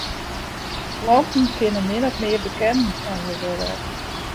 Planten kinne min of mear bekenden fan je wurde.